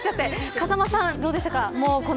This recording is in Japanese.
風間さん、どうでしたか。